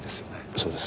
そうです。